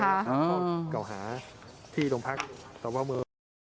กล่าวหาที่ตรงพักแต่ว่าเมื่อ